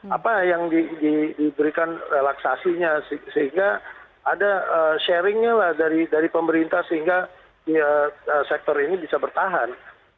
apa yang diberikan relaksasinya sehingga ada sharingnya lah dari pemerintah sehingga sektor ini bisa bertahan